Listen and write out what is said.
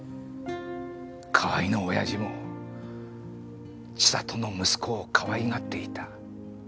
河合のオヤジも千里の息子をかわいがっていた。